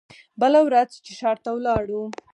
بله ورځ چې ښار ته لاړو.